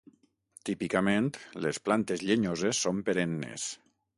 Típicament les plantes llenyoses són perennes.